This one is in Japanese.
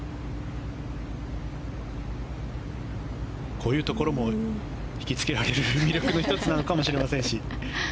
こういうところも引きつけられる魅力の１つなのかもしれません。